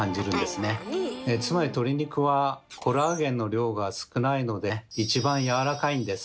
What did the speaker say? つまり鶏肉はコラーゲンの量が少ないので一番やわらかいんです。